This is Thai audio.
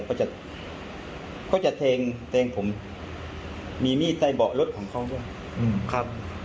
เขาจะเทงผมมีมีดใส่บอกรถของเขา